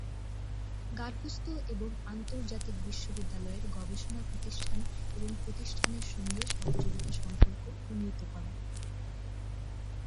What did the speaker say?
গার্হস্থ্য এবং আন্তর্জাতিক বিশ্ববিদ্যালয়ের গবেষণা প্রতিষ্ঠান এবং প্রতিষ্ঠানের সঙ্গে সহযোগিতা সম্পর্ক উন্নীত করা।